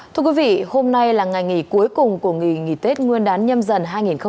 thưa quý vị hôm nay là ngày nghỉ cuối cùng của nghỉ nghỉ tết nguyên đán nhâm dần hai nghìn hai mươi bốn